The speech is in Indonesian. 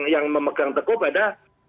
yang memegang tegur pada